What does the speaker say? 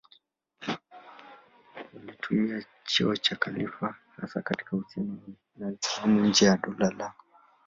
Walitumia cheo cha khalifa hasa katika uhusiano na Waislamu nje ya dola lao.